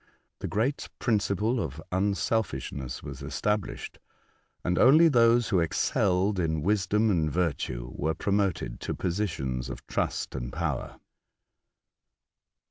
The great principle of unselfish 120 A Voyage to Other Worlds, ness was establisliecl, and only those who ex celled in wisdom and virtue were promoted to positions of trust and power."